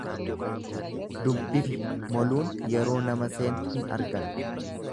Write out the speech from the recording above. Dubbifi moluun yeroo nama seentu hin argan.